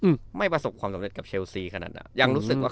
อืมไม่ประสบความสำเร็จกับเชลซีขนาดเนี้ยยังรู้สึกว่า